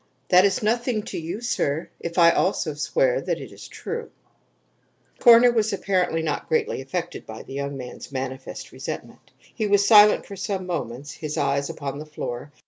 "That is nothing to you, sir, if I also swear that it is true." The coroner was apparently not greatly affected by the young man's manifest resentment. He was silent for some moments, his eyes upon the floor.